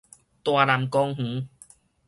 大湳公園